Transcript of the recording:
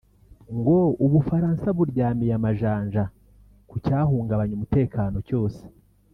ngo u Bufaransa buryamiye amajanja ku cyahungabanya umutekano cyose